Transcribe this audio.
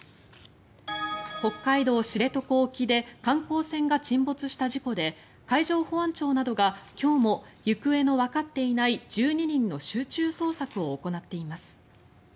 北海道・知床沖で観光船が沈没した事故で海上保安庁などが今日も行方のわかっていない１２人の集中捜索を行っています。